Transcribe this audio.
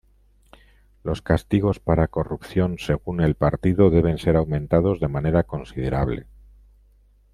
Los castigos para corrupción según el partido deben ser aumentados de manera considerable.